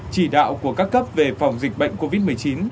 chỉ đạo của các cấp về phòng dịch bệnh covid một mươi chín